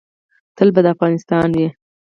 تل به دا افغانستان وي